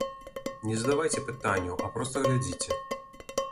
Не задавайце пытанняў, а проста глядзіце!